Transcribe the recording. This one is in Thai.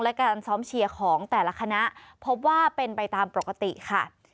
และการซ้อมเชียร์ของแต่ละคณะพบว่าเป็นไปตามปกติค่ะ